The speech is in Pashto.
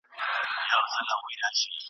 چي وژلي یې بېځایه انسانان وه.